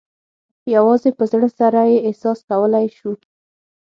یوازې په زړه سره یې احساس کولای شو.